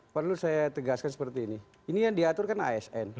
perlu saya tegaskan seperti ini ini yang diatur kan asn